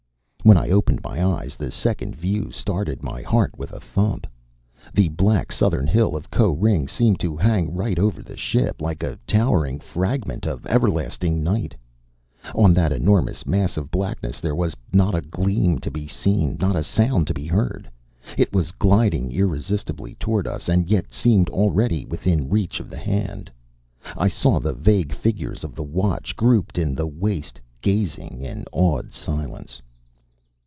When I opened my eyes the second view started my heart with a thump. The black southern hill of Koh ring seemed to hang right over the ship like a towering fragment of everlasting night. On that enormous mass of blackness there was not a gleam to be seen, not a sound to be heard. It was gliding irresistibly towards us and yet seemed already within reach of the hand. I saw the vague figures of the watch grouped in the waist, gazing in awed silence.